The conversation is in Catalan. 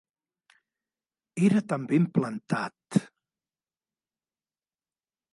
Era tan ben plantat!